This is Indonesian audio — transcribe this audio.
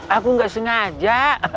aku nggak sengaja